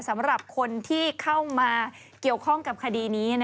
สำหรับคนที่เข้ามาเกี่ยวข้องกับคดีนี้